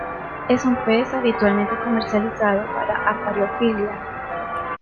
Es un pez habitualmente comercializado para acuariofilia.